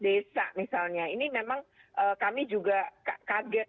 desa misalnya ini memang kami juga kaget